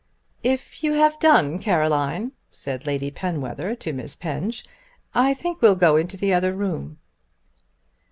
"If you have done, Caroline," said Lady Penwether to Miss Penge, "I think we'll go into the other room."